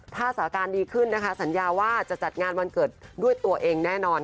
ถ้าสถานการณ์ดีขึ้นนะคะสัญญาว่าจะจัดงานวันเกิดด้วยตัวเองแน่นอน